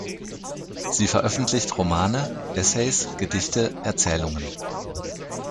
Sie veröffentlicht Romane, Essays, Gedichte, Erzählungen.